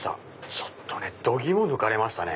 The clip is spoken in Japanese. ちょっと度肝抜かれましたね